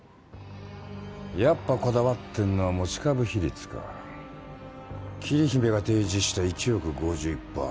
やっぱこだわってんのは持ち株比率か桐姫が提示した１億５１パー